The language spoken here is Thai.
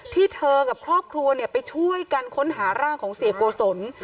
ที่เธอกับครอบครัวไปช่วยกันค้นหาร่างของเสียโกศล